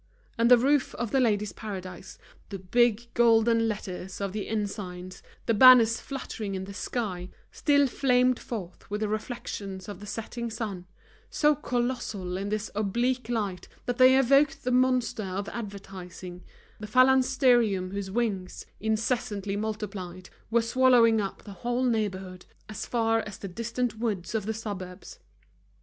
And the roof of The Ladies' Paradise, the big golden letters of the ensigns, the banners fluttering in the sky, still flamed forth with the reflections of the setting sun, so colossal in this oblique light, that they evoked the monster of advertising, the phalansterium whose wings, incessantly multiplied, were swallowing up the whole neighborhood, as far as the distant woods of the suburbs.